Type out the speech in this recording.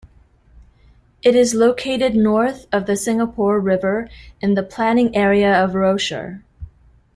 It is located north of the Singapore River, in the planning area of Rochor.